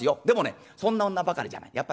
でもねそんな女ばかりじゃない。